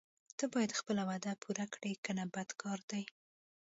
ته باید خپله وعده پوره کړې کنه بد کار ده.